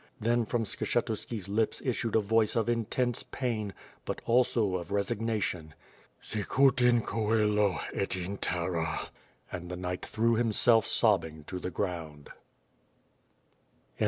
Then from Skshetuski's lips issued a voice of intense pain, but also of resignation. "8icut in coeh, et in terra !^' And the knight threw himself sobbing to the ground.